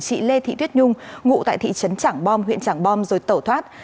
chị lê thị tuyết nhung ngụ tại thị trấn trảng bom huyện trảng bom rồi tẩu thoát